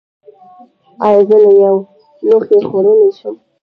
ایا زه له یو لوښي خوړلی شم؟